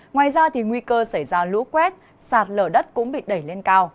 ngoài ra nguy cơ xảy ra lũ quét sạt lở đất cũng bị đẩy lên cao